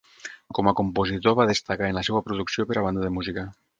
Com a compositor va destacar en la seua producció per a banda de música.